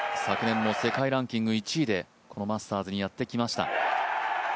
昨年も世界ランキング１位でこのマスターズにやってきました。